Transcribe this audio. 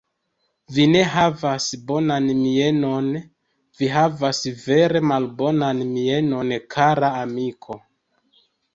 Vi ne havas bonan mienon; vi havas vere malbonan mienon, kara amiko.